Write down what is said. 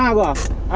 a của à